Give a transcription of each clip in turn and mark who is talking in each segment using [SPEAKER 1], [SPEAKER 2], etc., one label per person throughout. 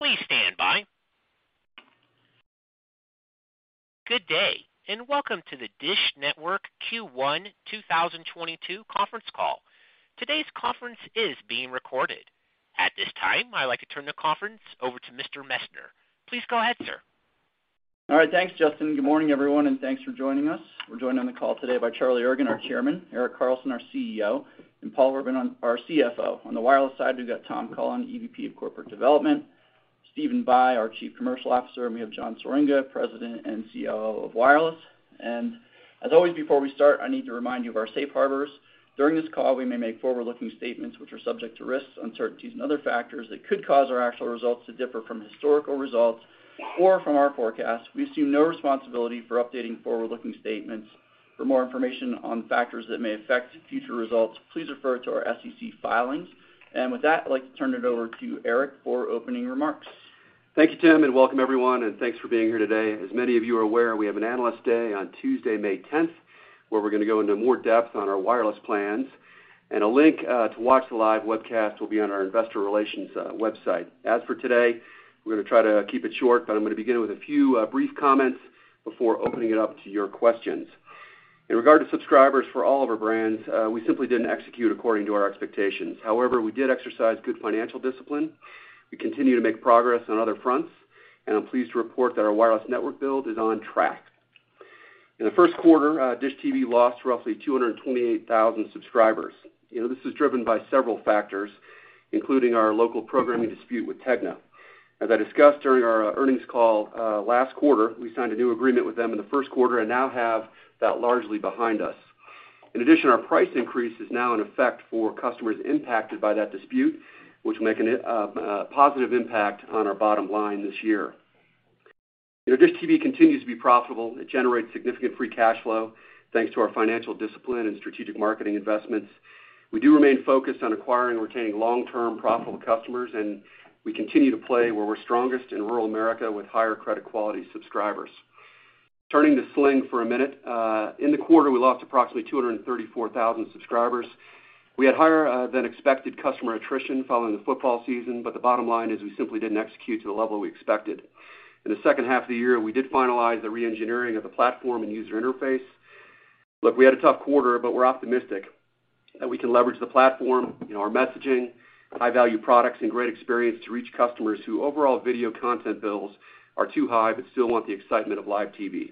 [SPEAKER 1] Please stand by. Good day, and welcome to the DISH Network Q1 2022 Conference Call. Today's conference is being recorded. At this time, I'd like to turn the conference over to Mr. Messner. Please go ahead, sir.
[SPEAKER 2] All right. Thanks, Justin. Good morning, everyone, and thanks for joining us. We're joined on the call today by Charlie Ergen, our chairman, Erik Carlson, our CEO, and Paul Orban, our CFO. On the wireless side, we've got Tom Cullen, EVP of Corporate Development, Stephen Bye, our Chief Commercial Officer, and we have John Swieringa, President and COO of Wireless. As always, before we start, I need to remind you of our safe harbors. During this call, we may make forward-looking statements which are subject to risks, uncertainties and other factors that could cause our actual results to differ from historical results or from our forecasts. We assume no responsibility for updating forward-looking statements. For more information on factors that may affect future results, please refer to our SEC filings. With that, I'd like to turn it over to Erik for opening remarks.
[SPEAKER 3] Thank you, Tim, and welcome everyone, and thanks for being here today. As many of you are aware, we have an Analyst Day on Tuesday, May tenth, where we're gonna go into more depth on our wireless plans. A link to watch the live webcast will be on our investor relations website. As for today, we're gonna try to keep it short, but I'm gonna begin with a few brief comments before opening it up to your questions. In regard to subscribers for all of our brands, we simply didn't execute according to our expectations. However, we did exercise good financial discipline. We continue to make progress on other fronts, and I'm pleased to report that our wireless network build is on track. In the Q1, DISH TV lost roughly 228,000 subscribers. You know, this is driven by several factors, including our local programming dispute with Tegna. As I discussed during our earnings call last quarter, we signed a new agreement with them in the Q1 and now have that largely behind us. In addition, our price increase is now in effect for customers impacted by that dispute, which will make a positive impact on our bottom line this year. You know, DISH TV continues to be profitable. It generates significant free cash flow, thanks to our financial discipline and strategic marketing investments. We do remain focused on acquiring and retaining long-term profitable customers, and we continue to play where we're strongest in rural America with higher credit quality subscribers. Turning to Sling for a minute, in the quarter, we lost approximately 234,000 subscribers. We had higher than expected customer attrition following the football season, but the bottom line is we simply didn't execute to the level we expected. In the second half of the year, we did finalize the reengineering of the platform and user interface. Look, we had a tough quarter, but we're optimistic that we can leverage the platform in our messaging, high-value products and great experience to reach customers who overall video content bills are too high but still want the excitement of live TV.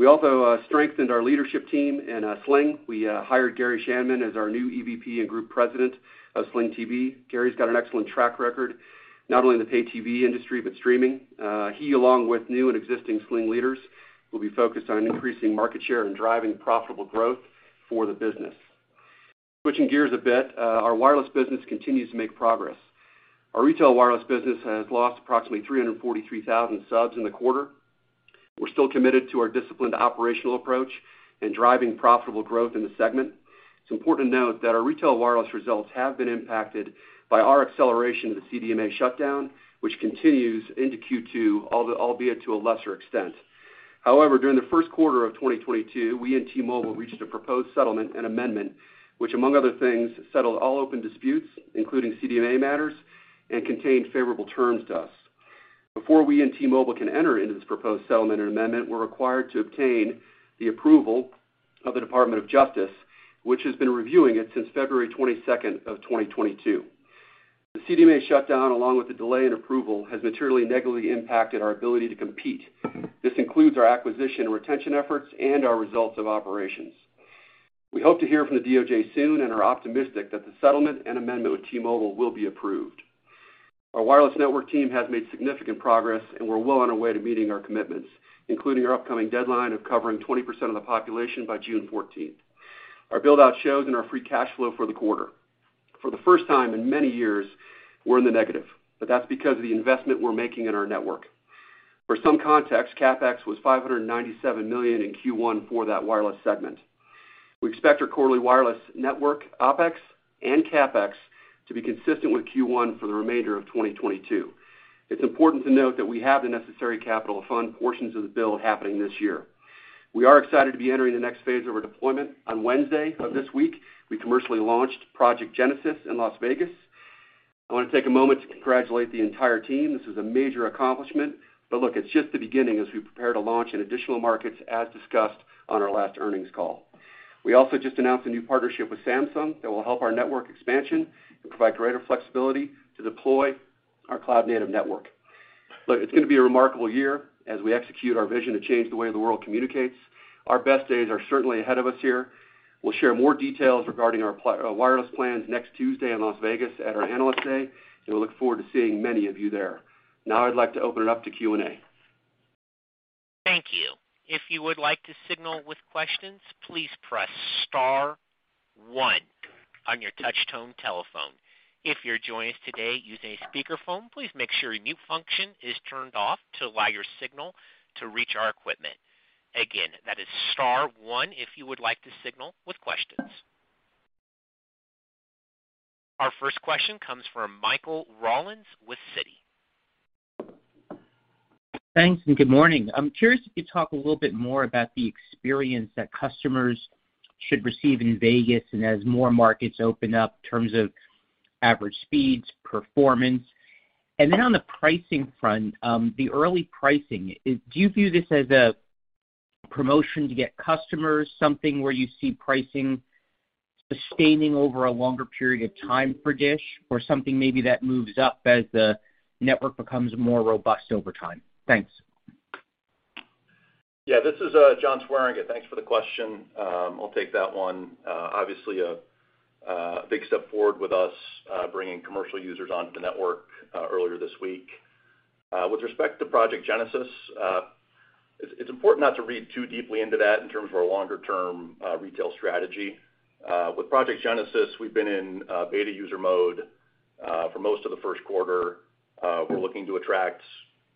[SPEAKER 3] We also strengthened our leadership team in Sling. We hired Gary Schanman as our new EVP and Group President of Sling TV. Gary's got an excellent track record, not only in the pay TV industry, but streaming. He, along with new and existing Sling leaders, will be focused on increasing market share and driving profitable growth for the business. Switching gears a bit, our wireless business continues to make progress. Our retail wireless business has lost approximately 343,000 subs in the quarter. We're still committed to our disciplined operational approach in driving profitable growth in the segment. It's important to note that our retail wireless results have been impacted by our acceleration of the CDMA shutdown, which continues into Q2, albeit to a lesser extent. However, during the Q1 of 2022, we and T-Mobile reached a proposed settlement and amendment, which among other things, settled all open disputes, including CDMA matters, and contained favorable terms to us. Before we and T-Mobile can enter into this proposed settlement and amendment, we're required to obtain the approval of the Department of Justice, which has been reviewing it since February 22, 2022. The CDMA shutdown, along with the delay in approval, has materially negatively impacted our ability to compete. This includes our acquisition and retention efforts and our results of operations. We hope to hear from the DOJ soon and are optimistic that the settlement and amendment with T-Mobile will be approved. Our wireless network team has made significant progress, and we're well on our way to meeting our commitments, including our upcoming deadline of covering 20% of the population by June 14. Our build-out shows in our free cash flow for the quarter. For the first time in many years, we're in the negative, but that's because of the investment we're making in our network. For some context, CapEx was $597 million in Q1 for that wireless segment. We expect our quarterly wireless network OpEx and CapEx to be consistent with Q1 for the remainder of 2022. It's important to note that we have the necessary capital to fund portions of the bill happening this year. We are excited to be entering the next phase of our deployment. On Wednesday of this week, we commercially launched Project Genesis in Las Vegas. I wanna take a moment to congratulate the entire team. This is a major accomplishment. Look, it's just the beginning as we prepare to launch in additional markets, as discussed on our last earnings call. We also just announced a new partnership with Samsung that will help our network expansion and provide greater flexibility to deploy our cloud-native network. Look, it's gonna be a remarkable year as we execute our vision to change the way the world communicates. Our best days are certainly ahead of us here. We'll share more details regarding our wireless plans next Tuesday in Las Vegas at our Analyst Day, and we look forward to seeing many of you there. Now I'd like to open it up to Q&A.
[SPEAKER 1] Thank you. If you would like to signal with questions, please press star one on your touch tone telephone. If you're joining us today using a speakerphone, please make sure your mute function is turned off to allow your signal to reach our equipment. Again, that is star one if you would like to signal with questions. Our first question comes from Michael Rollins with Citi.
[SPEAKER 4] Thanks, good morning. I'm curious if you'd talk a little bit more about the experience that customers should receive in Vegas and as more markets open up in terms of average speeds, performance. Then on the pricing front, the early pricing, do you view this as a promotion to get customers, something where you see pricing sustaining over a longer period of time for DISH or something maybe that moves up as the network becomes more robust over time? Thanks.
[SPEAKER 5] Yeah, this is John Swieringa. Thanks for the question. I'll take that one. Obviously a big step forward with us bringing commercial users onto the network earlier this week. With respect to Project Genesis, it's important not to read too deeply into that in terms of our longer-term retail strategy. With Project Genesis, we've been in beta user mode for most of the Q1. We're looking to attract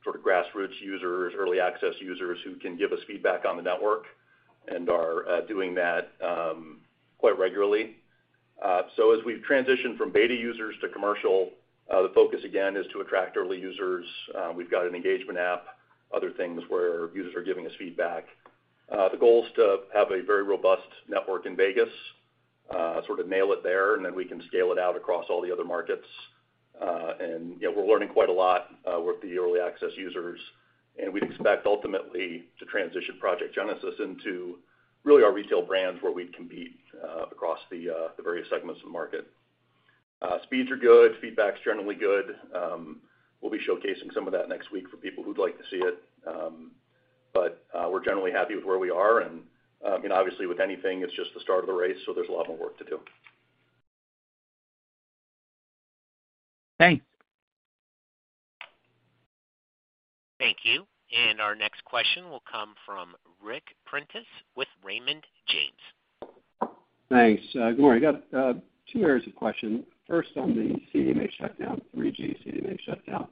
[SPEAKER 5] sort of grassroots users, early access users who can give us feedback on the network and are doing that quite regularly. As we've transitioned from beta users to commercial, the focus again is to attract early users. We've got an engagement app, other things where users are giving us feedback. The goal is to have a very robust network in Vegas, sort of nail it there, and then we can scale it out across all the other markets. You know, we're learning quite a lot with the early access users, and we'd expect ultimately to transition Project Genesis into really our retail brands where we compete across the various segments of the market. Speeds are good. Feedback's generally good. We'll be showcasing some of that next week for people who'd like to see it. We're generally happy with where we are and you know, obviously with anything it's just the start of the race, so there's a lot more work to do.
[SPEAKER 4] Thanks.
[SPEAKER 1] Thank you. Our next question will come from Ric Prentiss with Raymond James.
[SPEAKER 6] Thanks. Good morning. Got two areas of question. First, on the CDMA shutdown, 3G CDMA shutdown.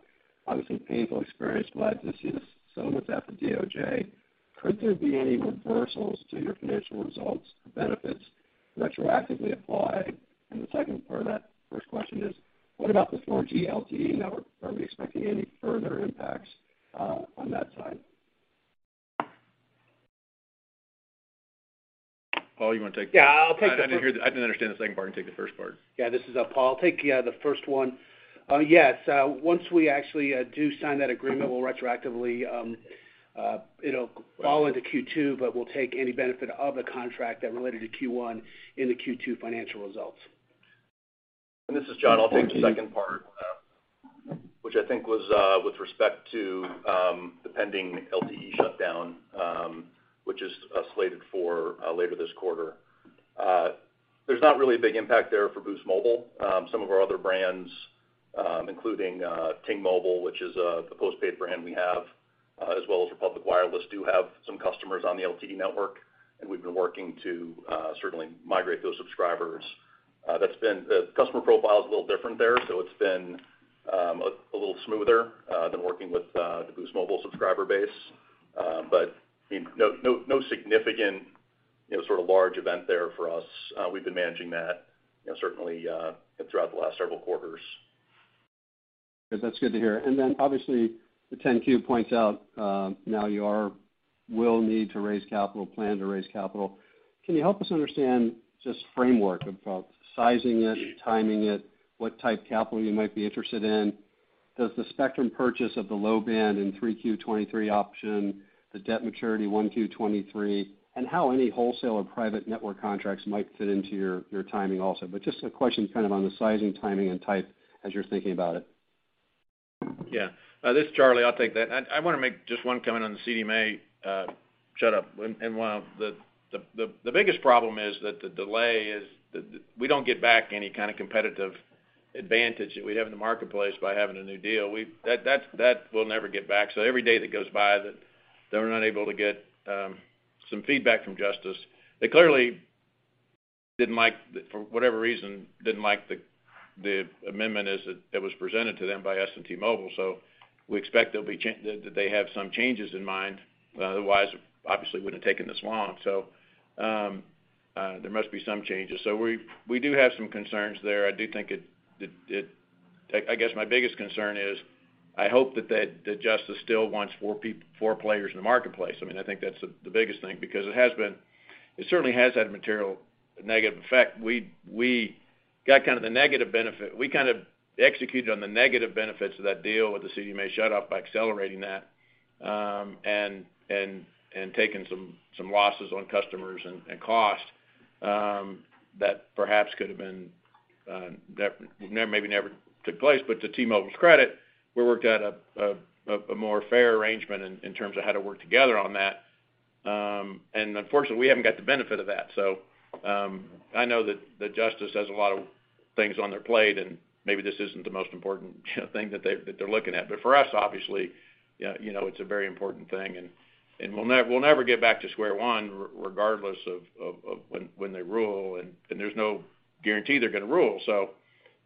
[SPEAKER 6] Obviously a painful experience. Glad to see the settlement's at the DOJ. Could there be any reversals to your financial results or benefits retroactively applied? The second part of that first question is, what about the 4G LTE network? Are we expecting any further impacts on that side?
[SPEAKER 5] Paul, you wanna take that?
[SPEAKER 7] Yeah, I'll take the first one.
[SPEAKER 5] I didn't understand the second part. You can take the first part.
[SPEAKER 7] Yeah, this is Paul. I'll take the first one. Yes, once we actually do sign that agreement, we'll retroactively, you know, fall into Q2, but we'll take any benefit of the contract that related to Q1 in the Q2 financial results.
[SPEAKER 5] This is John. I'll take the second part, which I think was with respect to the pending LTE shutdown, which is slated for later this quarter. There's not really a big impact there for Boost Mobile. Some of our other brands, including Ting Mobile, which is the postpaid brand we have, as well as Republic Wireless, do have some customers on the LTE network, and we've been working to certainly migrate those subscribers. The customer profile is a little different there, so it's been a little smoother than working with the Boost Mobile subscriber base. You know, no significant, you know, sort of large event there for us. We've been managing that, you know, certainly throughout the last several quarters.
[SPEAKER 6] Good. That's good to hear. Obviously the 10-Q points out, now you will need to raise capital, plan to raise capital. Can you help us understand just framework about sizing it, timing it, what type of capital you might be interested in? Does the spectrum purchase of the low band and 3Q 2023 option, the debt maturity 1Q 2023, and how any wholesale or private network contracts might fit into your timing also? Just a question kind of on the sizing, timing, and type as you're thinking about it.
[SPEAKER 7] Yeah. This is Charlie. I'll take that. I wanna make just one comment on the CDMA shutdown. While the biggest problem is that the delay is we don't get back any kind of competitive advantage that we have in the marketplace by having a new deal. That we'll never get back. Every day that goes by that we're not able to get some feedback from Justice, they clearly didn't like the amendment as it was presented to them by T-Mobile. We expect there'll be changes that they have some changes in mind, otherwise, obviously it wouldn't have taken this long. There must be some changes. We do have some concerns there. I do think it. I guess my biggest concern is I hope that Justice still wants four players in the marketplace. I mean, I think that's the biggest thing because it certainly has had material negative effect. We got kind of the negative benefit. We kind of executed on the negative benefits of that deal with the CDMA shutdown by accelerating that and taking some losses on customers and cost that perhaps could have been maybe never took place. To T-Mobile's credit, we worked out a more fair arrangement in terms of how to work together on that. Unfortunately, we haven't got the benefit of that. I know that Justice has a lot of things on their plate, and maybe this isn't the most important, you know, thing that they're looking at. For us, obviously, you know, it's a very important thing and we'll never get back to square one regardless of when they rule and there's no guarantee they're gonna rule.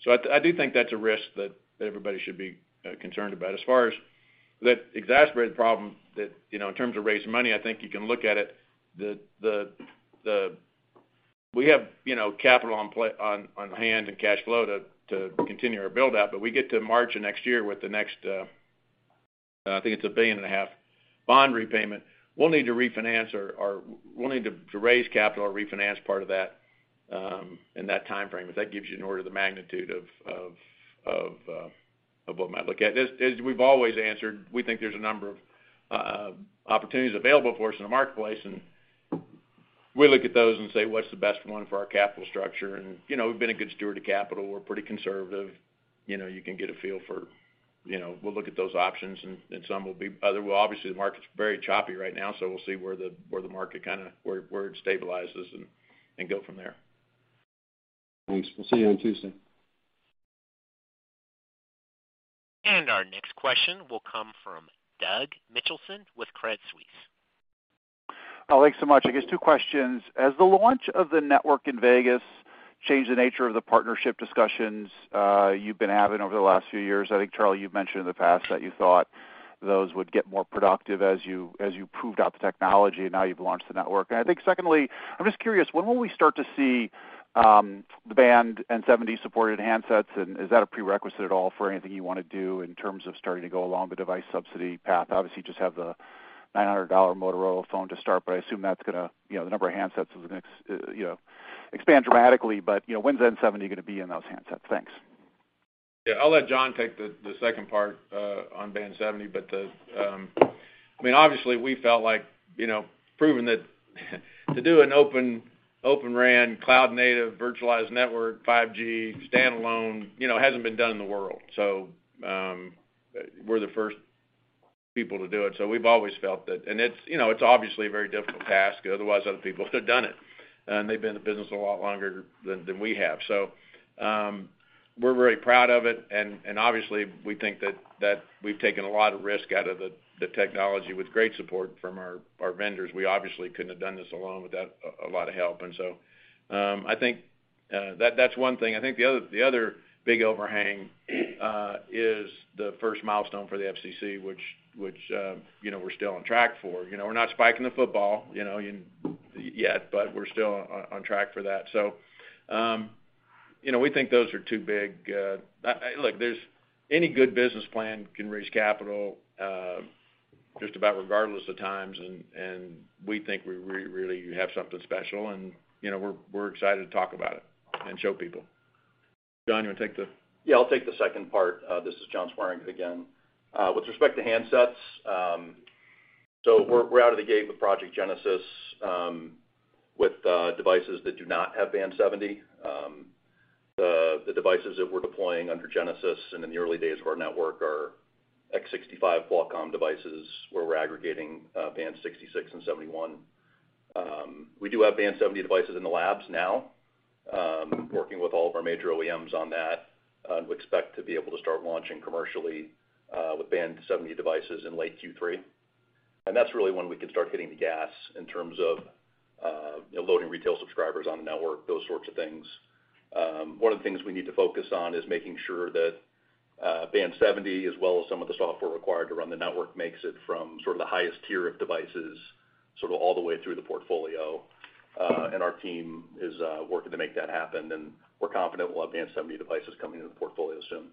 [SPEAKER 7] I do think that's a risk that everybody should be concerned about. As far as that expiration problem that, you know, in terms of raising money, I think you can look at it. We have, you know, capital on hand and cash flow to continue our build out, but we get to March of next year with the next, I think it's a $1.5 billion bond repayment. We'll need to refinance or we'll need to raise capital or refinance part of that in that time frame. If that gives you an order of magnitude of what we might look at. As we've always answered, we think there's a number of opportunities available for us in the marketplace, and we look at those and say, "What's the best one for our capital structure?" You know, we've been a good steward of capital. We're pretty conservative. You know, we'll look at those options and some will be other. Well, obviously, the market's very choppy right now, so we'll see where the market kinda where it stabilizes and go from there.
[SPEAKER 8] Thanks. We'll see you on Tuesday.
[SPEAKER 1] Our next question will come from Doug Mitchelson with Credit Suisse.
[SPEAKER 8] Thanks so much. I guess two questions. Has the launch of the network in Vegas changed the nature of the partnership discussions you've been having over the last few years? I think, Charlie, you've mentioned in the past that you thought those would get more productive as you proved out the technology, and now you've launched the network. I think secondly, I'm just curious, when will we start to see the Band 70 supported handsets? And is that a prerequisite at all for anything you wanna do in terms of starting to go along the device subsidy path? Obviously, you just have the $900 Motorola phone to start, but I assume the number of handsets is gonna expand dramatically, but you know, when's Band 70 gonna be in those handsets? Thanks.
[SPEAKER 7] Yeah. I'll let John take the second part on Band 70. I mean, obviously, we felt like, you know, proving that to do an Open RAN cloud-native virtualized network, 5G, standalone, you know, hasn't been done in the world. We're the first people to do it, so we've always felt that. It's, you know, it's obviously a very difficult task, otherwise other people would have done it, and they've been in the business a lot longer than we have. We're very proud of it, and obviously, we think that we've taken a lot of risk out of the technology with great support from our vendors. We obviously couldn't have done this alone without a lot of help. I think that's one thing. I think the big overhang is the first milestone for the FCC, which you know, we're still on track for. You know, we're not spiking the football, you know, yet, but we're still on track for that. You know, we think those are two big. Look, any good business plan can raise capital just about regardless of times, and we think we really have something special and, you know, we're excited to talk about it and show people. John, you wanna take the?
[SPEAKER 5] Yeah, I'll take the second part. This is John Swieringa again. With respect to handsets, we're out of the gate with Project Genesis, with devices that do not have Band 70. The devices that we're deploying under Genesis and in the early days of our network are X65 Qualcomm devices where we're aggregating Band 66 and 71. We do have Band 70 devices in the labs now, working with all of our major OEMs on that, and we expect to be able to start launching commercially with Band 70 devices in late Q3. That's really when we can start hitting the gas in terms of you know, loading retail subscribers on the network, those sorts of things. One of the things we need to focus on is making sure that Band 70, as well as some of the software required to run the network, makes it from sort of the highest tier of devices sort of all the way through the portfolio. Our team is working to make that happen, and we're confident we'll have Band 70 devices coming into the portfolio soon.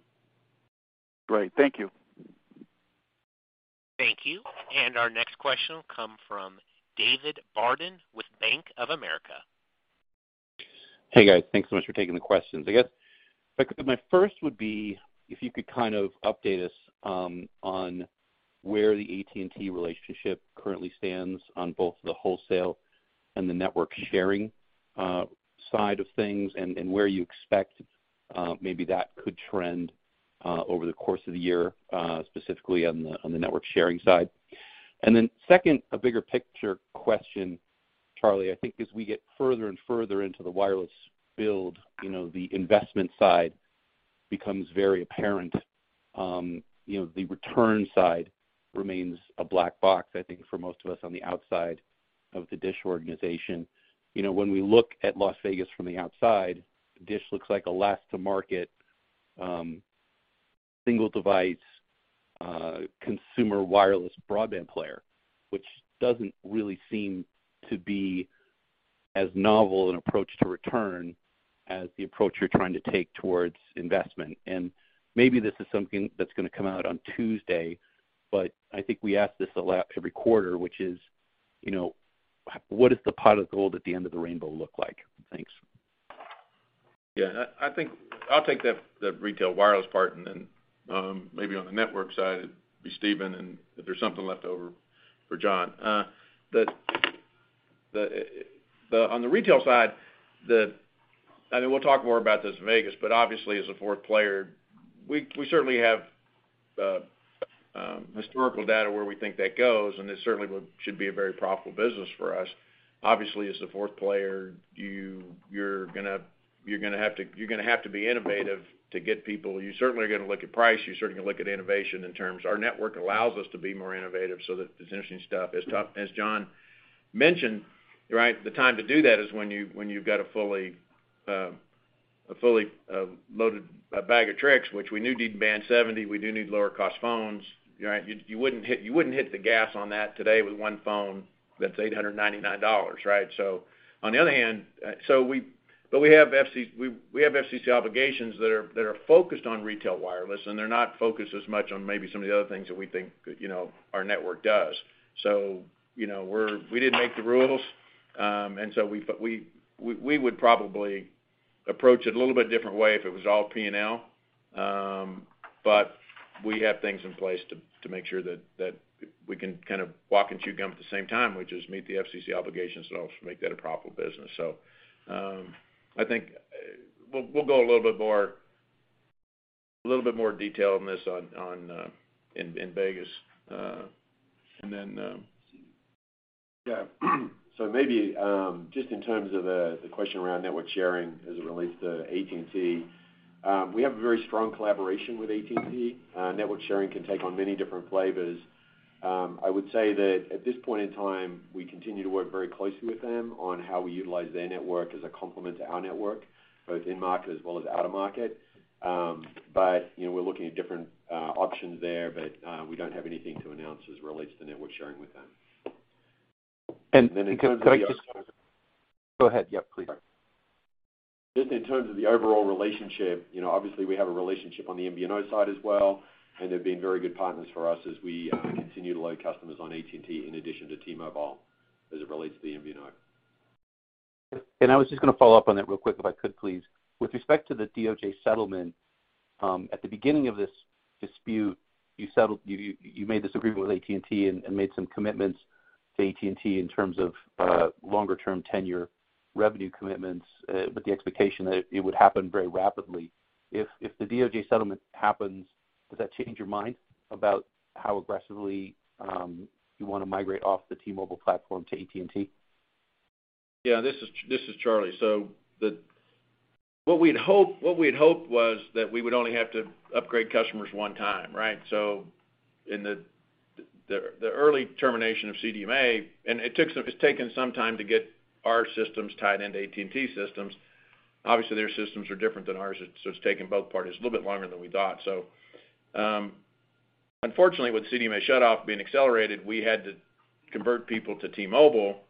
[SPEAKER 8] Great. Thank you.
[SPEAKER 1] Thank you. Our next question will come from David Barden with Bank of America.
[SPEAKER 9] Hey, guys. Thanks so much for taking the questions. I guess, like, my first would be if you could kind of update us on where the AT&T relationship currently stands on both the wholesale and the network sharing side of things and where you expect maybe that could trend over the course of the year, specifically on the network sharing side. Second, a bigger picture question, Charlie. I think as we get further and further into the wireless build, you know, the investment side becomes very apparent. You know, the return side remains a black box, I think, for most of us on the outside of the DISH organization. You know, when we look at Las Vegas from the outside, Dish looks like a last to market, single device, consumer wireless broadband player, which doesn't really seem to be as novel an approach to return as the approach you're trying to take towards investment. Maybe this is something that's gonna come out on Tuesday, but I think we ask this a lot every quarter, which is, you know, what does the pot of gold at the end of the rainbow look like? Thanks.
[SPEAKER 7] Yeah. I think I'll take the retail wireless part and then maybe on the network side, it'd be Stephen, and if there's something left over for John. On the retail side, I mean, we'll talk more about this in Vegas, but obviously, as a fourth player, we certainly have historical data where we think that goes, and it certainly should be a very profitable business for us. Obviously, as a fourth player, you're gonna have to be innovative to get people. You certainly are gonna look at price. You certainly are gonna look at innovation in terms. Our network allows us to be more innovative, so that there's interesting stuff. As John mentioned, right? The time to do that is when you've got a fully loaded bag of tricks, which we knew needed Band 70. We do need lower cost phones, right? You wouldn't hit the gas on that today with one phone that's $899, right? On the other hand, we have FCC obligations that are focused on retail wireless, and they're not focused as much on maybe some of the other things that we think, you know, our network does. You know, we didn't make the rules, and we would probably approach it a little bit different way if it was all P&L. We have things in place to make sure that we can kind of walk and chew gum at the same time, which is meet the FCC obligations and also make that a profitable business. I think we'll go a little bit more detailed on this in Vegas.
[SPEAKER 10] Yeah. Maybe, just in terms of the question around network sharing as it relates to AT&T. We have a very strong collaboration with AT&T. Network sharing can take on many different flavors. I would say that at this point in time, we continue to work very closely with them on how we utilize their network as a complement to our network, both in market as well as out of market. You know, we're looking at different options there, but we don't have anything to announce as it relates to network sharing with them.
[SPEAKER 9] In terms of the. Go ahead. Yep, please.
[SPEAKER 10] Just in terms of the overall relationship, you know, obviously, we have a relationship on the MVNO side as well, and they've been very good partners for us as we continue to load customers on AT&T in addition to T-Mobile as it relates to the MVNO.
[SPEAKER 9] I was just gonna follow up on that real quick, if I could, please. With respect to the DOJ settlement, at the beginning of this dispute, you made this agreement with AT&T and made some commitments to AT&T in terms of longer term tenure revenue commitments, with the expectation that it would happen very rapidly. If the DOJ settlement happens, does that change your mind about how aggressively you wanna migrate off the T-Mobile platform to AT&T?
[SPEAKER 7] Yeah. This is Charlie. What we'd hoped was that we would only have to upgrade customers one time, right? In the early termination of CDMA, it's taken some time to get our systems tied into AT&T systems. Obviously, their systems are different than ours, so it's taken both parties a little bit longer than we thought. Unfortunately, with CDMA shutoff being accelerated, we had to convert people to T-Mobile,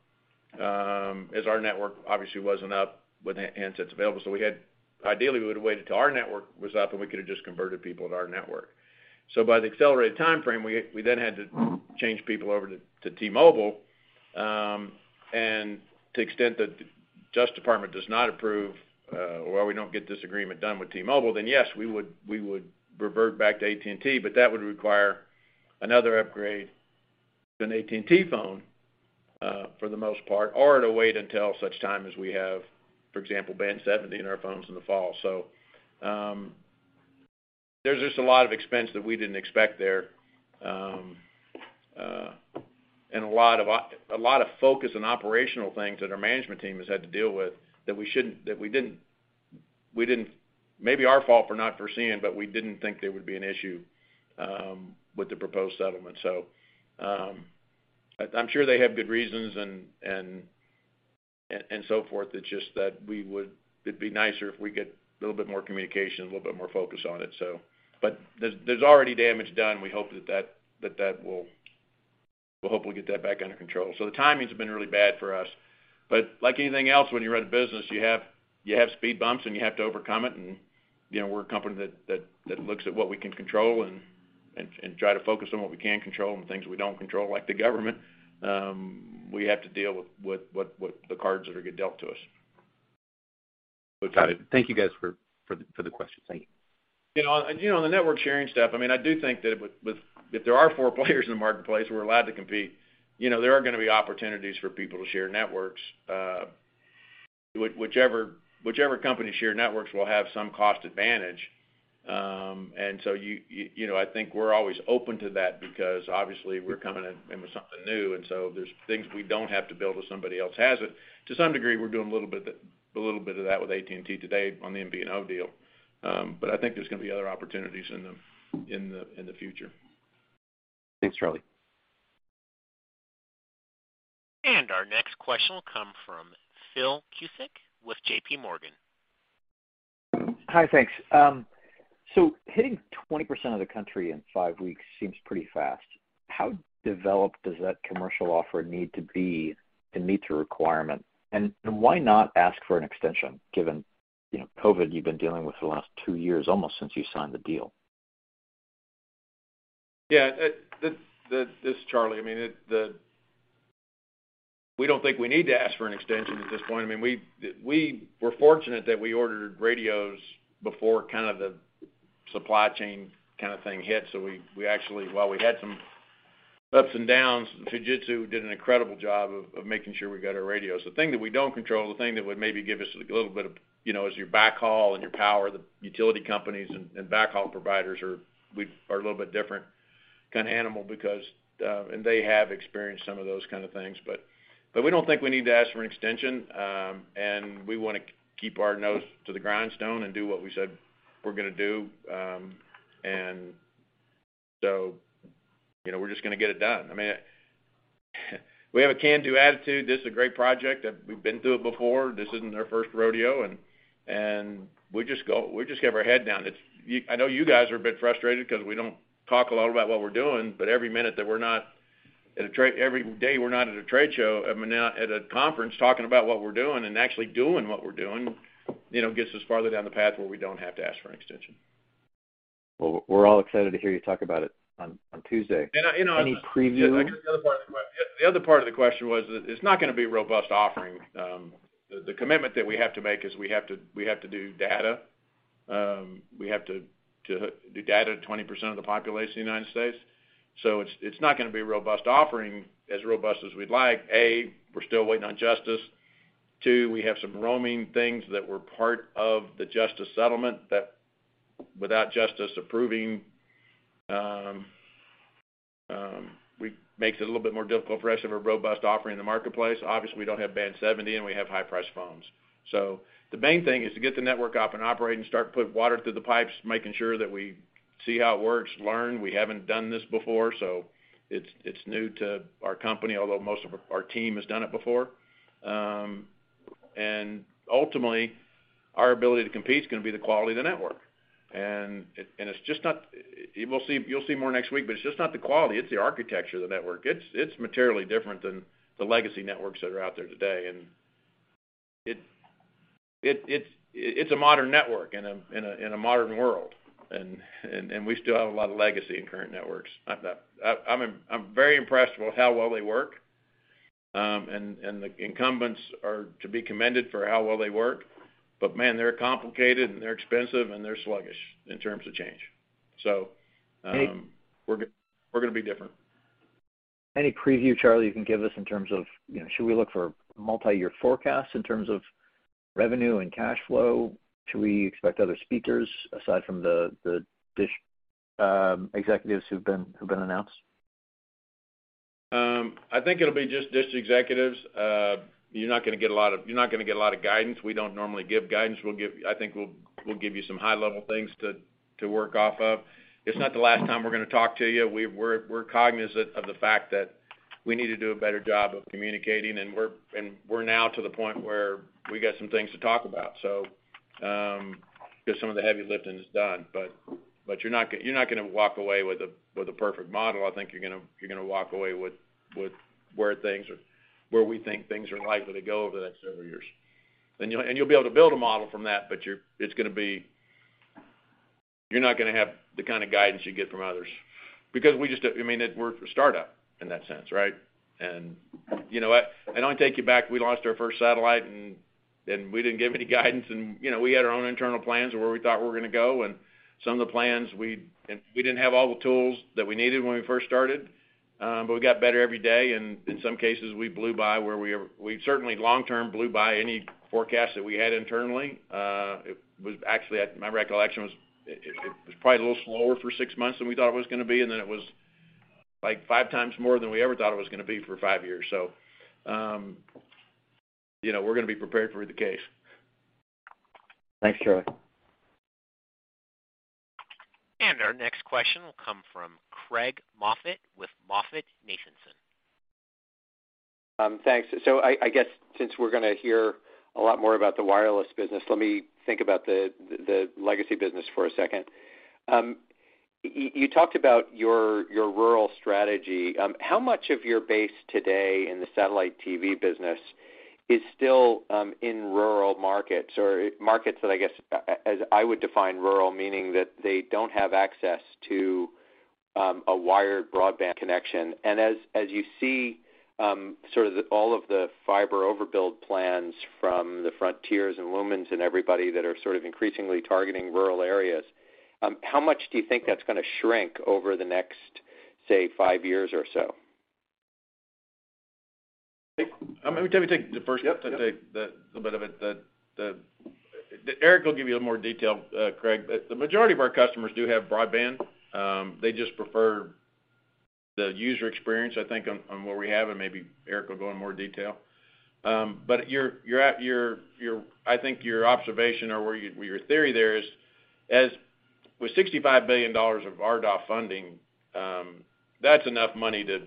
[SPEAKER 7] as our network obviously wasn't up with handsets available. Ideally, we would've waited till our network was up, and we could have just converted people to our network. By the accelerated timeframe, we then had to change people over to T-Mobile. To the extent that the Department of Justice does not approve or we don't get this agreement done with T-Mobile, then yes, we would revert back to AT&T, but that would require another upgrade to an AT&T phone for the most part or to wait until such time as we have, for example, Band 70 in our phones in the fall. There's just a lot of expense that we didn't expect there and a lot of focus on operational things that our management team has had to deal with that we didn't. Maybe our fault for not foreseeing, but we didn't think there would be an issue with the proposed settlement. I'm sure they have good reasons and so forth. It's just that it'd be nicer if we get a little bit more communication, a little bit more focus on it. There's already damage done. We hope that we'll hopefully get that back under control. The timing's been really bad for us. Like anything else, when you run a business, you have speed bumps, and you have to overcome it. You know, we're a company that looks at what we can control and try to focus on what we can control and things we don't control, like the government, we have to deal with what the cards that are get dealt to us.
[SPEAKER 9] Got it. Thank you guys for the question. Thank you.
[SPEAKER 11] You know, on the network sharing stuff, I mean, I do think that with if there are four players in the marketplace who are allowed to compete, you know, there are gonna be opportunities for people to share networks. Whichever company share networks will have some cost advantage. You know, I think we're always open to that because obviously we're coming in with something new, and so there's things we don't have to build if somebody else has it. To some degree, we're doing a little bit of that with AT&T today on the MVNO deal. But I think there's gonna be other opportunities in the future.
[SPEAKER 9] Thanks, Charlie.
[SPEAKER 1] Our next question will come from Phil Cusick with JP Morgan.
[SPEAKER 12] Hi. Thanks. Hitting 20% of the country in five weeks seems pretty fast. How developed does that commercial offer need to be to meet the requirement? Why not ask for an extension given, you know, COVID you've been dealing with for the last two years, almost since you signed the deal?
[SPEAKER 7] Yeah. This is Charlie. I mean, we don't think we need to ask for an extension at this point. I mean, we were fortunate that we ordered radios before kind of the supply chain kinda thing hit. So we actually, while we had some ups and downs, Fujitsu did an incredible job of making sure we got our radios. The thing that we don't control, the thing that would maybe give us a little bit of, you know, is your backhaul and your power. The utility companies and backhaul providers are a little bit different kind of animal because and they have experienced some of those kind of things. We don't think we need to ask for an extension, and we wanna keep our nose to the grindstone and do what we said we're gonna do, and so, you know, we're just gonna get it done. I mean, we have a can-do attitude. This is a great project that we've been through it before. This isn't our first rodeo, and we just have our head down. I know you guys are a bit frustrated 'cause we don't talk a lot about what we're doing, but every day we're not at a trade show, I mean, at a conference talking about what we're doing and actually doing what we're doing, you know, gets us farther down the path where we don't have to ask for an extension.
[SPEAKER 12] Well, we're all excited to hear you talk about it on Tuesday.
[SPEAKER 7] And I, you know, I-
[SPEAKER 12] Any preview?
[SPEAKER 7] Yes, I guess the other part of the question was that it's not gonna be a robust offering. The commitment that we have to make is we have to do data. We have to do data to 20% of the population of the United States. It's not gonna be a robust offering, as robust as we'd like. One, we're still waiting on Justice. Two, we have some roaming things that were part of the Justice settlement that without Justice approving makes it a little bit more difficult for us to have a robust offering in the marketplace. Obviously, we don't have Band 70, and we have high-priced phones. The main thing is to get the network up and operating, start to put water through the pipes, making sure that we see how it works, learn. We haven't done this before, so it's new to our company, although most of our team has done it before. Ultimately, our ability to compete is gonna be the quality of the network. It's just not the quality. You'll see more next week, but it's just not the quality, it's the architecture of the network. It's materially different than the legacy networks that are out there today. It's a modern network in a modern world. We still have a lot of legacy in current networks. I'm very impressed with how well they work, and the incumbents are to be commended for how well they work. Man, they're complicated, and they're expensive, and they're sluggish in terms of change.
[SPEAKER 12] Any-
[SPEAKER 7] We're gonna be different.
[SPEAKER 12] Any preview, Charlie, you can give us in terms of, you know, should we look for multiyear forecasts in terms of revenue and cash flow? Should we expect other speakers aside from the DISH executives who've been announced?
[SPEAKER 11] I think it'll be just DISH executives. You're not gonna get a lot of guidance. We don't normally give guidance. I think we'll give you some high-level things to work off of. It's not the last time we're gonna talk to you. We're cognizant of the fact that we need to do a better job of communicating, and we're now to the point where we got some things to talk about. 'Cause some of the heavy lifting is done. You're not gonna walk away with a perfect model. I think you're gonna walk away with where we think things are likely to go over the next several years.
[SPEAKER 7] You'll be able to build a model from that, but you're not gonna have the kind of guidance you get from others because we just don't. I mean, we're a startup in that sense, right? You know what? I take you back, we launched our first satellite and we didn't give any guidance, you know, we had our own internal plans of where we thought we were gonna go. Some of the plans and we didn't have all the tools that we needed when we first started, but we got better every day. In some cases, we blew by where we were. We certainly, long term, blew by any forecast that we had internally. It was actually my recollection was it was probably a little slower for six months than we thought it was gonna be, and then it was, like, five times more than we ever thought it was gonna be for five years. You know, we're gonna be prepared for either case.
[SPEAKER 12] Thanks, Charlie.
[SPEAKER 1] Our next question will come from Craig Moffett with MoffettNathanson.
[SPEAKER 13] Thanks. I guess since we're gonna hear a lot more about the wireless business, let me think about the legacy business for a second. You talked about your rural strategy. How much of your base today in the satellite TV business is still in rural markets or markets that I guess, as I would define rural, meaning that they don't have access to a wired broadband connection? As you see, sort of all of the fiber overbuild plans from the Frontier and Lumen and everybody that are sort of increasingly targeting rural areas, how much do you think that's gonna shrink over the next, say, five years or so?
[SPEAKER 7] I'm gonna take the first.
[SPEAKER 12] Yep. Yep.
[SPEAKER 7] A little bit of it. Erik will give you more detail, Craig. The majority of our customers do have broadband. They just prefer the user experience, I think, on what we have, and maybe Erik will go in more detail. I think your observation or your theory there is, as with $65 billion of RDOF funding, that's enough money to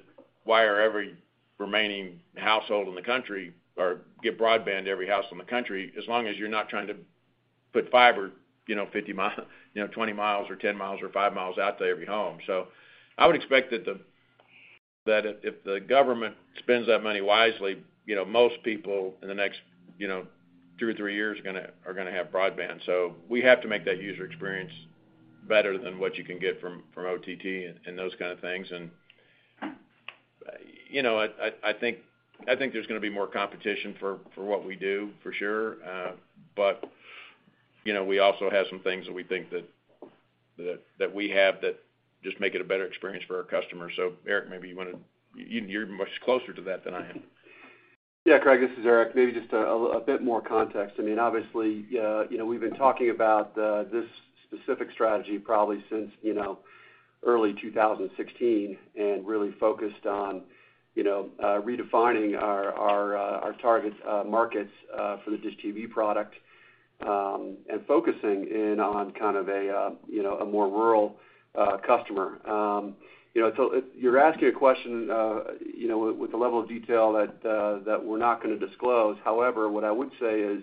[SPEAKER 7] wire every remaining household in the country or give broadband to every house in the country, as long as you're not trying to put fiber, you know, 50 miles, you know, 20 miles or 10 miles or five miles out to every home. I would expect that if the government spends that money wisely, you know, most people in the next, you know, two or three years are gonna have broadband. We have to make that user experience better than what you can get from OTT and those kind of things. You know, I think there's gonna be more competition for what we do, for sure. You know, we also have some things that we think that we have that just make it a better experience for our customers. Erik, maybe you wanna. You're much closer to that than I am.
[SPEAKER 3] Yeah, Craig, this is Erik. Maybe just a bit more context. I mean, obviously, you know, we've been talking about this specific strategy probably since, you know, early 2016 and really focused on, you know, redefining our target markets for the DISH TV product. Focusing in on kind of a, you know, a more rural customer. You know, you're asking a question with a level of detail that we're not gonna disclose. However, what I would say is,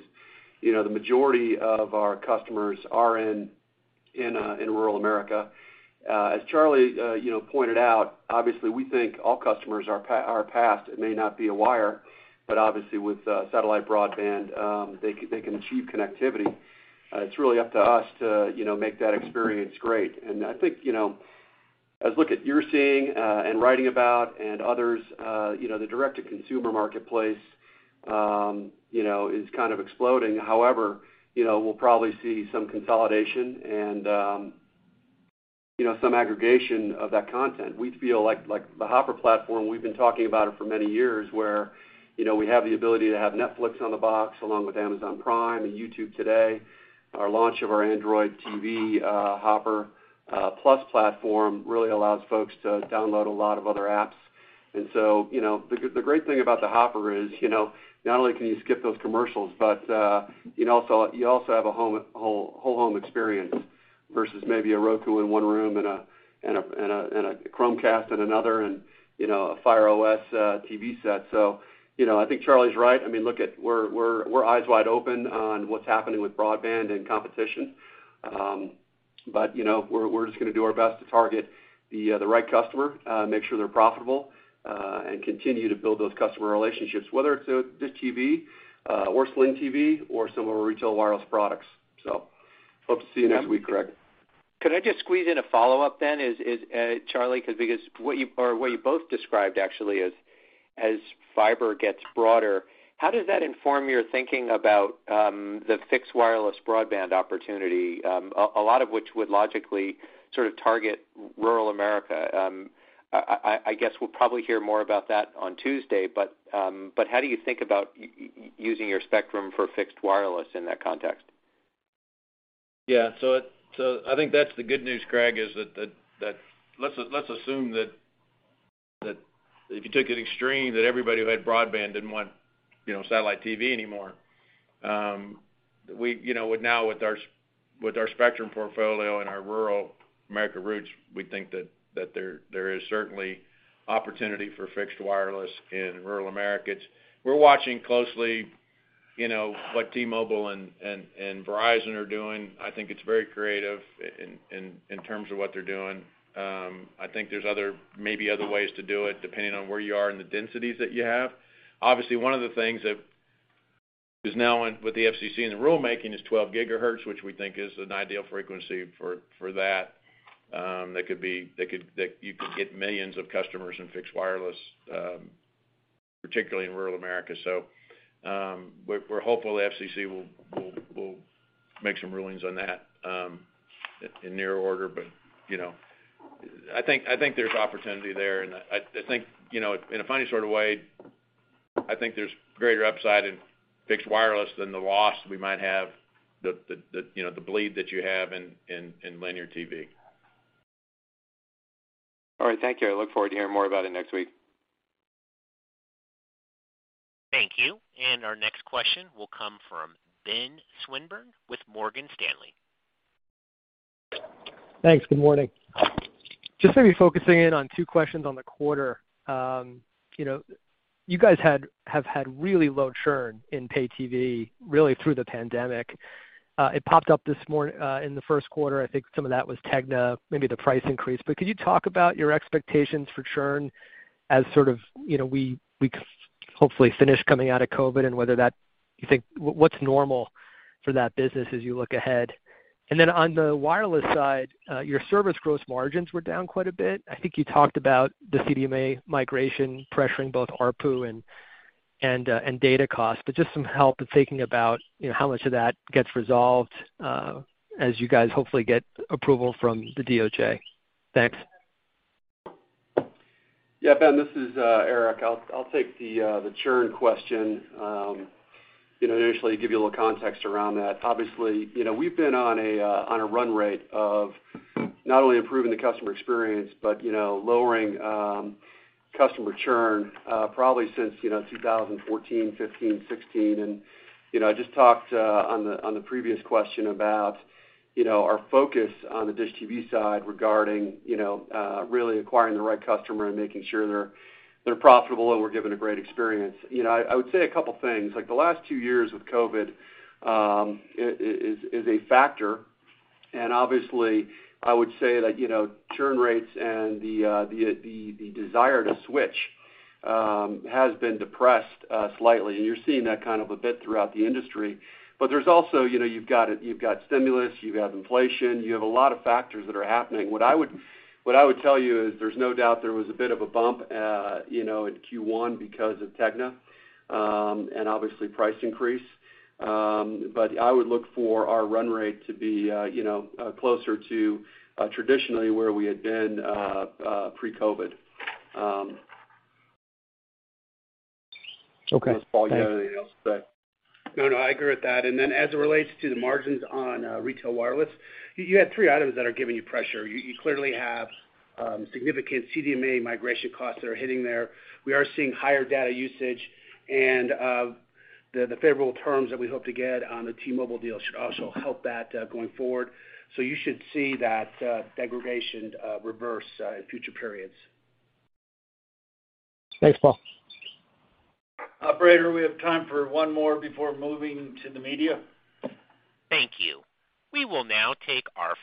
[SPEAKER 3] you know, the majority of our customers are in rural America. As Charlie, you know, pointed out, obviously, we think all customers are passed. It may not be a wire, but obviously, with satellite broadband, they can achieve connectivity. It's really up to us to, you know, make that experience great. I think, you know, as you're seeing and writing about and others, you know, the direct-to-consumer marketplace is kind of exploding. However, you know, we'll probably see some consolidation and, you know, some aggregation of that content. We feel like the Hopper platform, we've been talking about it for many years, where, you know, we have the ability to have Netflix on the box along with Amazon Prime and YouTube today. Our launch of our Android TV Hopper Plus platform really allows folks to download a lot of other apps. You know, the great thing about the Hopper is, you know, not only can you skip those commercials, but you also have a whole home experience versus maybe a Roku in one room and a Chromecast in another and, you know, a Fire OS TV set. You know, I think Charlie's right. I mean, look, we're eyes wide open on what's happening with broadband and competition. But, you know, we're just gonna do our best to target the right customer, make sure they're profitable, and continue to build those customer relationships, whether it's DISH TV or Sling TV or some of our retail wireless products. Hope to see you next week, Craig.
[SPEAKER 13] Can I just squeeze in a follow-up then, Charlie? Because what you or what you both described actually is as fiber gets broader, how does that inform your thinking about the fixed wireless broadband opportunity, a lot of which would logically sort of target rural America? I guess we'll probably hear more about that on Tuesday, but how do you think about using your spectrum for fixed wireless in that context?
[SPEAKER 11] Yeah. I think that's the good news, Craig, is that let's assume that if you took an extreme that everybody who had broadband didn't want, you know, satellite TV anymore, you know with our spectrum portfolio and our rural American roots, we think that there is certainly opportunity for fixed wireless in rural America. We're watching closely, you know, what T-Mobile and Verizon are doing. I think it's very creative in terms of what they're doing. I think there's other, maybe other ways to do it depending on where you are in the densities that you have.
[SPEAKER 7] Obviously, one of the things that is now in with the FCC and the rulemaking is 12 GHz, which we think is an ideal frequency for that you could get millions of customers in fixed wireless, particularly in rural America. We're hopeful the FCC will make some rulings on that in short order. You know, I think there's opportunity there. I think, you know, in a funny sort of way, I think there's greater upside in fixed wireless than the loss we might have, you know, the bleed that you have in linear TV.
[SPEAKER 13] All right. Thank you. I look forward to hearing more about it next week.
[SPEAKER 1] Thank you. Our next question will come from Ben Swinburne with Morgan Stanley.
[SPEAKER 14] Thanks. Good morning. Just maybe focusing in on two questions on the quarter. You know, you guys have had really low churn in pay TV really through the pandemic. It popped up in the first quarter. I think some of that was Tegna, maybe the price increase. Could you talk about your expectations for churn as sort of, you know, we hopefully finish coming out of COVID and whether that you think—what's normal for that business as you look ahead? Then on the wireless side, your service gross margins were down quite a bit. I think you talked about the CDMA migration pressuring both ARPU and data costs, but just some help in thinking about, you know, how much of that gets resolved as you guys hopefully get approval from the DOJ. Thanks.
[SPEAKER 3] Yeah. Ben, this is Erik. I'll take the churn question. You know, initially give you a little context around that. Obviously, you know, we've been on a run rate of not only improving the customer experience, but, you know, lowering customer churn, probably since, you know, 2014, 2015, 2016. You know, I just talked on the previous question about, you know, our focus on the DISH TV side regarding, you know, really acquiring the right customer and making sure they're profitable and we're given a great experience. You know, I would say a couple things, like the last two years with COVID is a factor. Obviously, I would say that, you know, churn rates and the desire to switch has been depressed slightly. You're seeing that kind of a bit throughout the industry. There's also, you know, you've got stimulus, you've got inflation, you have a lot of factors that are happening. What I would tell you is there's no doubt there was a bit of a bump in Q1 because of Tegna and obviously price increase. I would look for our run rate to be closer to traditionally where we had been pre-COVID.
[SPEAKER 14] Okay.
[SPEAKER 3] I don't know if Paul, you have anything else to say.
[SPEAKER 7] No, no, I agree with that. As it relates to the margins on retail wireless, you had three items that are giving you pressure. You clearly have significant CDMA migration costs that are hitting there. We are seeing higher data usage and The favorable terms that we hope to get on the T-Mobile deal should also help that, going forward. You should see that degradation reverse in future periods.
[SPEAKER 14] Thanks, Paul.
[SPEAKER 7] Operator, we have time for one more before moving to the media.
[SPEAKER 1] Thank you. We will now take our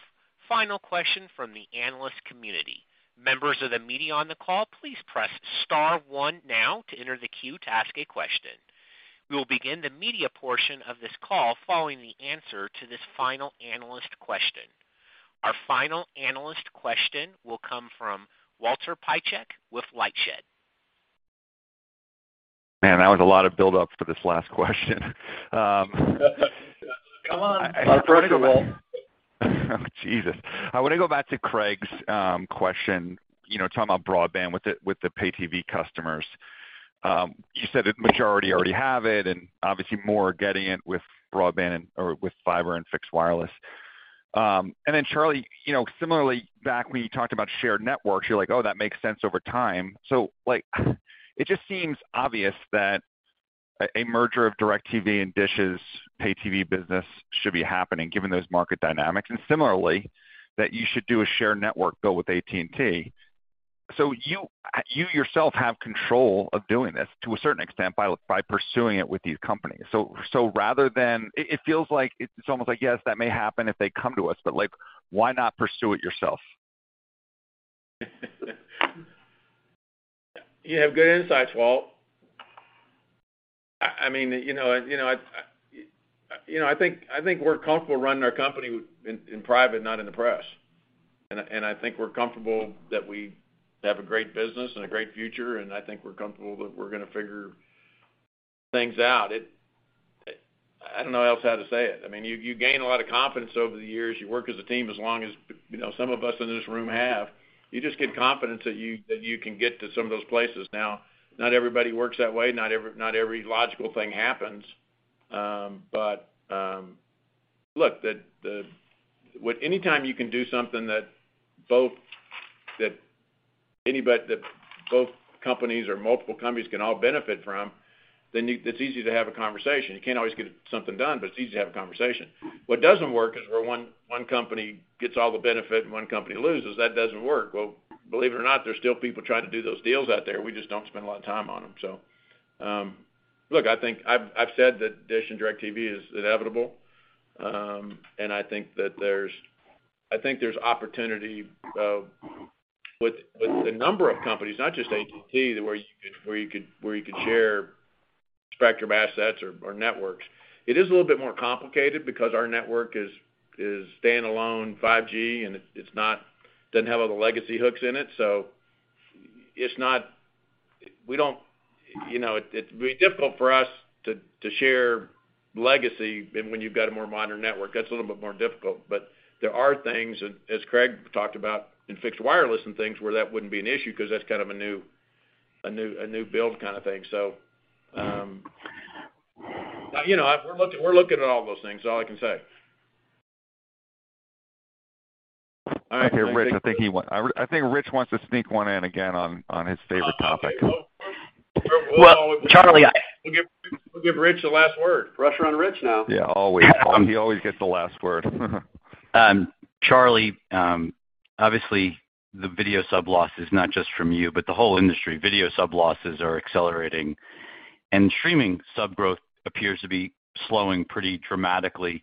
[SPEAKER 1] final question from the analyst community. Members of the media on the call, please press star one now to enter the queue to ask a question. We will begin the media portion of this call following the answer to this final analyst question. Our final analyst question will come from Walter Piecyk with LightShed.
[SPEAKER 15] Man, that was a lot of build-up for this last question.
[SPEAKER 7] Come on. Our first and only.
[SPEAKER 15] Oh, Jesus. I wanna go back to Craig's question, you know, talking about broadband with the pay TV customers. You said the majority already have it, and obviously more are getting it with broadband or with fiber and fixed wireless. Charlie, you know, similarly back when you talked about shared networks, you're like, "Oh, that makes sense over time." Like, it just seems obvious that a merger of DIRECTV and DISH's pay TV business should be happening given those market dynamics, and similarly, that you should do a shared network build with AT&T. You yourself have control of doing this to a certain extent by pursuing it with these companies. Rather than, it feels like it's almost like yes, that may happen if they come to us, but like, why not pursue it yourself?
[SPEAKER 11] You have good insights, Walt. I mean, you know, I think we're comfortable running our company in private, not in the press. I think we're comfortable that we have a great business and a great future, and I think we're comfortable that we're gonna figure things out. I don't know how else to say it. I mean, you gain a lot of confidence over the years. You work as a team as long as, you know, some of us in this room have. You just get confidence that you can get to some of those places. Now, not everybody works that way, not every logical thing happens. Look, the.
[SPEAKER 7] With any time you can do something that both companies or multiple companies can all benefit from, it's easy to have a conversation. You can't always get something done, but it's easy to have a conversation. What doesn't work is where one company gets all the benefit and one company loses. That doesn't work. Well, believe it or not, there's still people trying to do those deals out there. We just don't spend a lot of time on them. Look, I think I've said that DISH and DIRECTV is inevitable. I think there's opportunity with a number of companies, not just AT&T, where you could share spectrum assets or networks. It is a little bit more complicated because our network is standalone 5G, and it doesn't have all the legacy hooks in it. You know, it'd be difficult for us to share legacy when you've got a more modern network. That's a little bit more difficult. There are things, as Craig talked about in fixed wireless and things where that wouldn't be an issue 'cause that's kind of a new build kind of thing. You know, we're looking at all those things, is all I can say.
[SPEAKER 15] I hear Rich. I think Rich wants to sneak one in again on his favorite topic.
[SPEAKER 7] Okay. Well, we'll give We'll give Rich the last word. Pressure on Rich now.
[SPEAKER 15] Yeah, always. He always gets the last word. Charlie, obviously, the video sub-loss is not just from you, but the whole industry. Video sub-losses are accelerating, and streaming sub growth appears to be slowing pretty dramatically.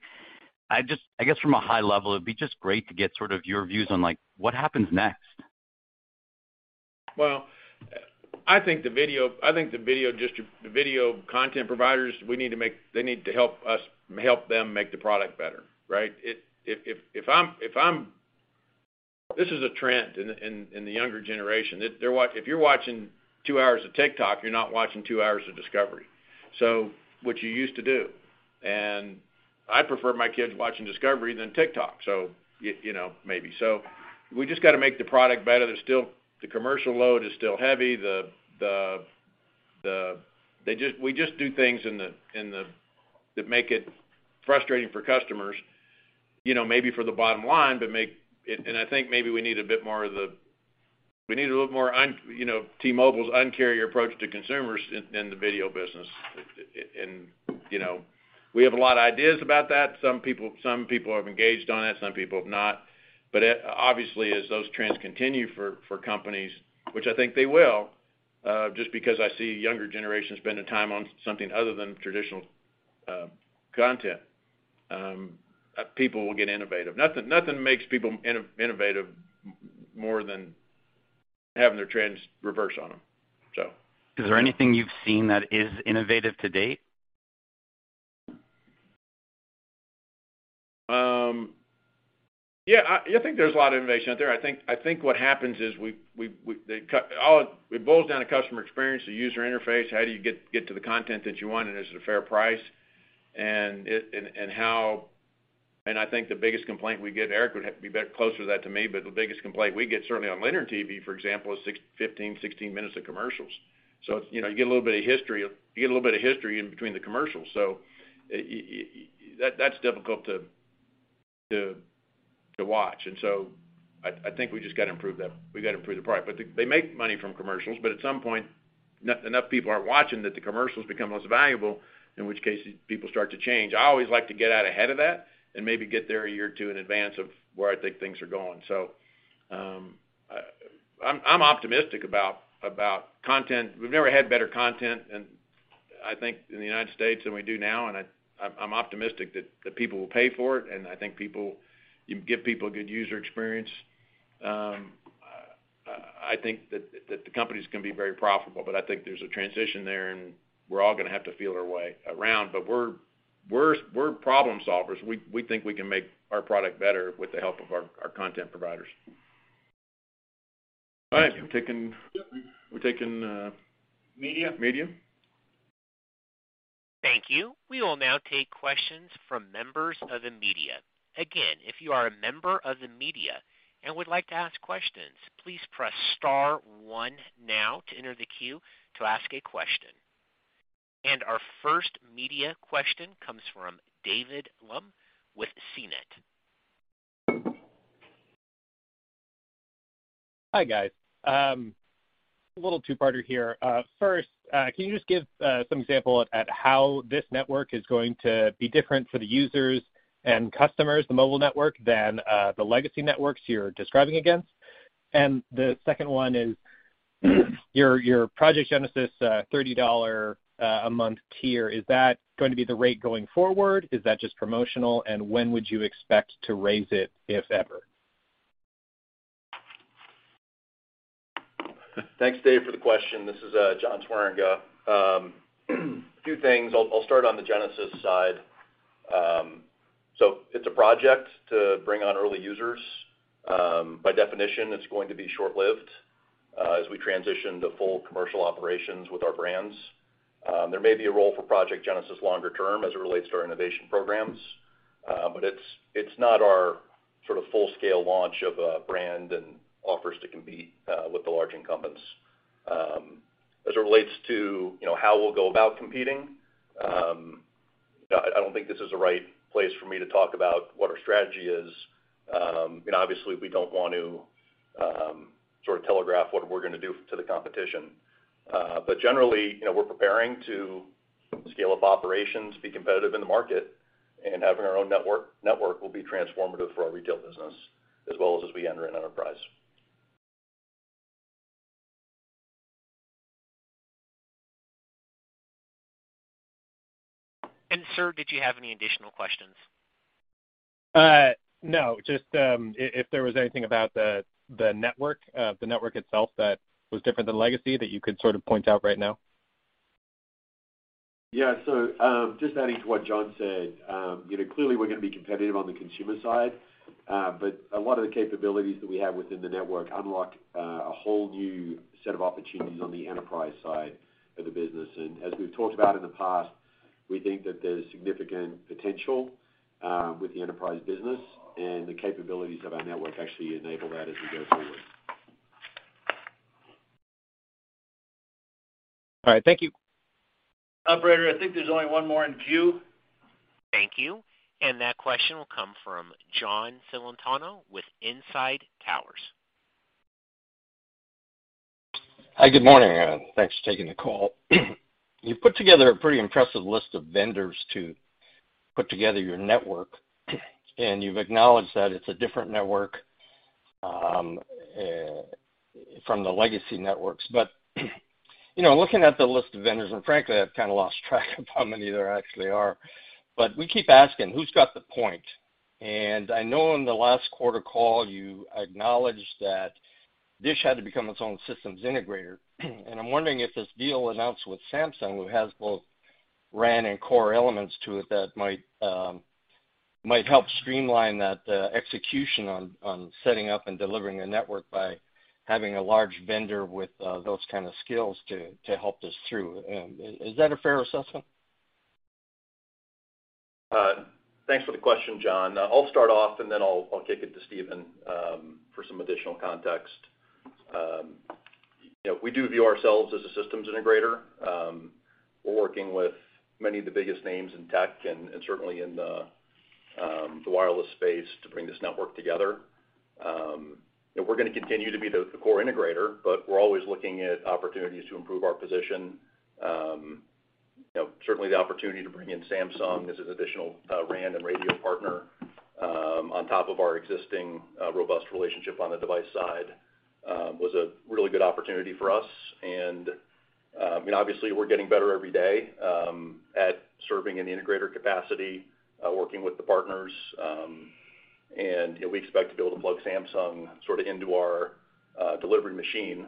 [SPEAKER 15] I guess from a high level, it'd be just great to get sort of your views on like what happens next.
[SPEAKER 7] Well, I think the video content providers, they need to help us help them make the product better, right? If I'm this is a trend in the younger generation. If you're watching two hours of TikTok, you're not watching two hours of Discovery, so which you used to do. I prefer my kids watching Discovery than TikTok, so you know, maybe so. We just gotta make the product better. The commercial load is still heavy. We just do things in the that make it frustrating for customers, you know, maybe for the bottom line, but make. I think maybe we need a little more, you know, T-Mobile's Un-carrier approach to consumers in the video business. You know, we have a lot of ideas about that. Some people have engaged on it, some people have not. Obviously, as those trends continue for companies, which I think they will, just because I see younger generations spending time on something other than traditional content, people will get innovative. Nothing makes people innovative more than having their trends reverse on them.
[SPEAKER 15] Is there anything you've seen that is innovative to date?
[SPEAKER 7] Yeah. I think there's a lot of innovation out there. I think what happens is it boils down to customer experience, the user interface, how do you get to the content that you want, and is it a fair price? And how. I think the biggest complaint we get, Erik would have to be better closer to that to me, but the biggest complaint we get certainly on linear TV, for example, is 15, 16 minutes of commercials. You know, you get a little bit of history in between the commercials. That, that's difficult to
[SPEAKER 5] To watch. I think we gotta improve the product. They make money from commercials, but at some point, not enough people are watching that the commercials become less valuable, in which case people start to change. I always like to get out ahead of that and maybe get there a year or two in advance of where I think things are going. I'm optimistic about content. We've never had better content, and I think in the United States than we do now. I'm optimistic that the people will pay for it. I think people. You give people a good user experience. I think that the company's gonna be very profitable, but I think there's a transition there, and we're all gonna have to feel our way around. We're problem solvers. We think we can make our product better with the help of our content providers.
[SPEAKER 10] All right. We're taking.
[SPEAKER 5] Media.
[SPEAKER 10] Media.
[SPEAKER 1] Thank you. We will now take questions from members of the media. Again, if you are a member of the media and would like to ask questions, please press star one now to enter the queue to ask a question. Our first media question comes from David Lumb with CNET.
[SPEAKER 16] Hi, guys. A little two-parter here. First, can you just give some examples of how this network is going to be different for the users and customers, the mobile network, than the legacy networks you're describing against? The second one is, your Project Genesis $30 a month tier, is that going to be the rate going forward? Is that just promotional? And when would you expect to raise it, if ever?
[SPEAKER 5] Thanks, Dave, for the question. This is John Swieringa. A few things. I'll start on the Genesis side. So it's a project to bring on early users. By definition, it's going to be short-lived as we transition to full commercial operations with our brands. There may be a role for Project Genesis longer term as it relates to our innovation programs, but it's not our sort of full-scale launch of a brand and offers to compete with the large incumbents. As it relates to, you know, how we'll go about competing, I don't think this is the right place for me to talk about what our strategy is. You know, obviously, we don't want to sort of telegraph what we're gonna do to the competition. generally, you know, we're preparing to scale up operations, be competitive in the market, and having our own network will be transformative for our retail business as well as we enter in enterprise.
[SPEAKER 1] Sir, did you have any additional questions?
[SPEAKER 16] No. Just, if there was anything about the network itself that was different than legacy that you could sort of point out right now.
[SPEAKER 5] Yeah. Just adding to what John said, you know, clearly we're gonna be competitive on the consumer side, but a lot of the capabilities that we have within the network unlock a whole new set of opportunities on the enterprise side of the business. As we've talked about in the past, we think that there's significant potential with the enterprise business and the capabilities of our network actually enable that as we go forward.
[SPEAKER 16] All right. Thank you.
[SPEAKER 10] Operator, I think there's only one more in queue.
[SPEAKER 1] Thank you. That question will come from John Celentano with Inside Towers.
[SPEAKER 17] Hi, good morning, and thanks for taking the call. You put together a pretty impressive list of vendors to put together your network, and you've acknowledged that it's a different network from the legacy networks. You know, looking at the list of vendors, and frankly, I've kind of lost track of how many there actually are. We keep asking, "Who's got the point?" I know in the last quarter call, you acknowledged that DISH had to become its own systems integrator. I'm wondering if this deal announced with Samsung, who has both RAN and core elements to it, that might help streamline that execution on setting up and delivering a network by having a large vendor with those kind of skills to help this through. Is that a fair assessment?
[SPEAKER 5] Thanks for the question, John. I'll start off, and then I'll kick it to Stephen for some additional context. You know, we do view ourselves as a systems integrator. We're working with many of the biggest names in tech and certainly in the wireless space to bring this network together. We're gonna continue to be the core integrator, but we're always looking at opportunities to improve our position. You know, certainly the opportunity to bring in Samsung as an additional RAN and radio partner on top of our existing robust relationship on the device side was a really good opportunity for us. Obviously, we're getting better every day at serving in the integrator capacity, working with the partners. We expect to be able to plug Samsung sort of into our delivery machine.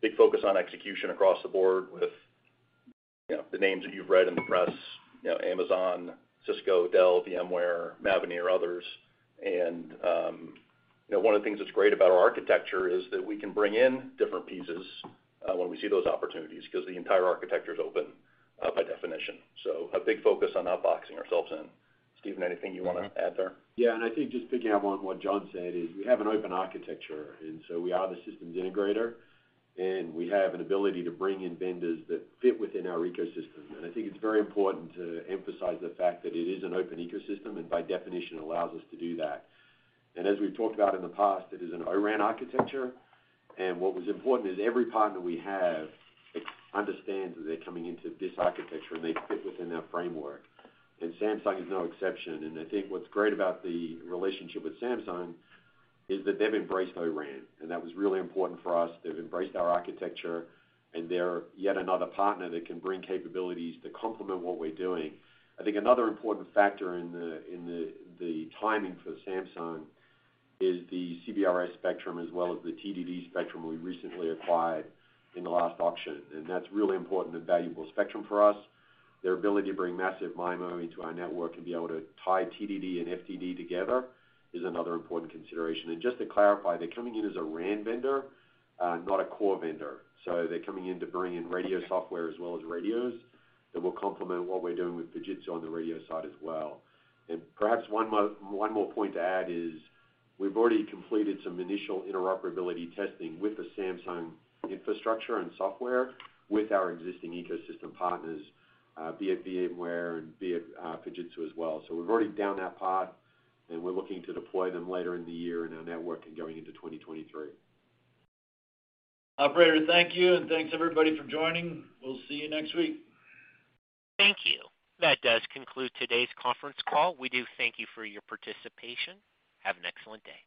[SPEAKER 5] Big focus on execution across the board with, you know, the names that you've read in the press, you know, Amazon, Cisco, Dell, VMware, Mavenir, others. You know, one of the things that's great about our architecture is that we can bring in different pieces when we see those opportunities because the entire architecture is open by definition. A big focus on not boxing ourselves in. Stephen, anything you wanna add there?
[SPEAKER 10] Yeah. I think just picking up on what John said is we have an open architecture, and so we are the systems integrator, and we have an ability to bring in vendors that fit within our ecosystem. I think it's very important to emphasize the fact that it is an open ecosystem and by definition allows us to do that. As we've talked about in the past, it is an O-RAN architecture. What was important is every partner we have understands that they're coming into this architecture and they fit within that framework. Samsung is no exception. I think what's great about the relationship with Samsung is that they've embraced O-RAN, and that was really important for us. They've embraced our architecture, and they're yet another partner that can bring capabilities to complement what we're doing. I think another important factor in the the timing for Samsung is the CBRS spectrum as well as the TDD spectrum we recently acquired in the last auction, and that's really important and valuable spectrum for us. Their ability to bring massive MIMO into our network and be able to tie TDD and FDD together is another important consideration. Just to clarify, they're coming in as a RAN vendor, not a core vendor. They're coming in to bring in radio software as well as radios that will complement what we're doing with Fujitsu on the radio side as well. Perhaps one more point to add is we've already completed some initial interoperability testing with the Samsung infrastructure and software with our existing ecosystem partners, be it VMware and be it Fujitsu as well. We've already been down that path, and we're looking to deploy them later in the year in our network and going into 2023.
[SPEAKER 5] Operator, thank you, and thanks everybody for joining. We'll see you next week.
[SPEAKER 1] Thank you. That does conclude today's conference call. We do thank you for your participation. Have an excellent day.